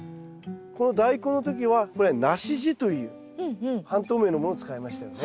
このダイコンの時はこれ梨地という半透明のものを使いましたよね。